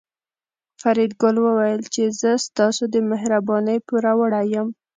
فریدګل وویل چې زه ستاسو د مهربانۍ پوروړی یم